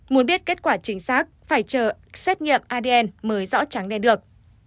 muốn biết kết quả chính xác phải chờ xét nghiệm adn mới rõ chắn nên được